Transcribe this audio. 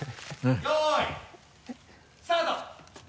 よいスタート！